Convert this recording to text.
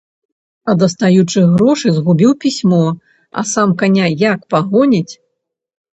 А дастаючы грошы, згубіў пісьмо, а сам каня як пагоніць!